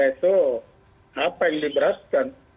itu apa yang diberatkan